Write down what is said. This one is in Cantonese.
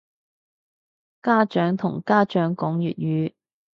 家長同家長講粵語